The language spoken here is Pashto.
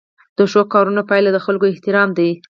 د ښو کارونو پایله د خلکو احترام دی.